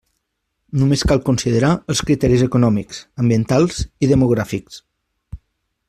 Només cal considerar els criteris econòmics, ambientals i demogràfics.